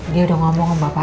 dia udah ngomong sama bapak